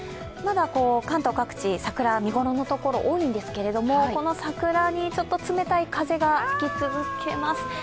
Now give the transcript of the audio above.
まだ関東各地、桜は見頃のところが多いんですけれども、この桜に冷たい風が吹き続けます。